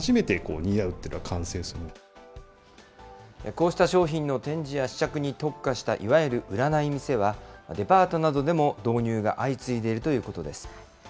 こうした商品の展示や試着に特化したいわゆる売らない店は、デパートなどでも導入が相次いでいるということです。